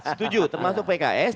setuju termasuk pks